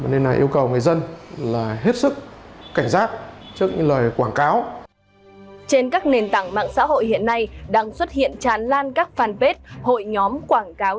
nên là yêu cầu người dân là hết sức cảnh giác trước những lời quảng cáo